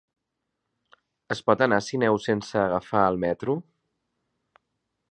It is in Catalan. Es pot anar a Sineu sense agafar el metro?